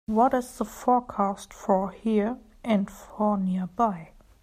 what is the forecast for here and for nearby